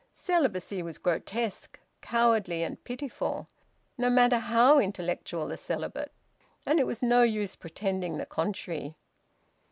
Celibacy was grotesque, cowardly, and pitiful no matter how intellectual the celibate and it was no use pretending the contrary.